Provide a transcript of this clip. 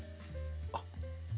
あっ。